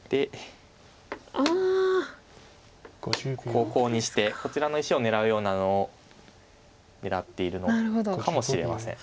ここをコウにしてこちらの石を狙うようなのを狙っているのかもしれません。